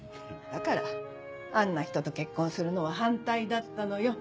だからあんな人と結婚するのは反対だったのよ。